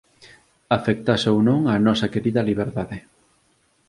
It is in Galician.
Afectase ou non á nosa querida liberdade.